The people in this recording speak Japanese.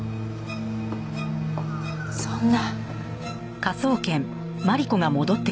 そんな。